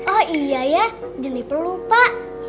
oh iya ya jadi perlu pak